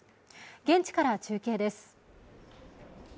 現地から中継です。